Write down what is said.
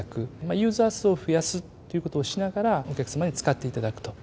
ユーザー数を増やすっていうことをしながら、お客様に使っていただくと。